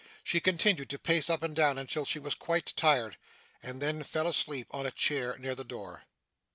She continued to pace up and down until she was quite tired, and then fell asleep on a chair near the door.